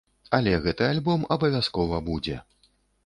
Але гэты альбом абавязкова будзе.